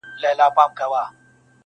زوی یې پرانیستله خوله ویل بابکه؛